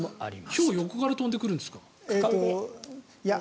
ひょう横から飛んでくるんですか？